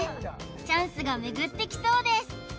チャンスが巡ってきそうです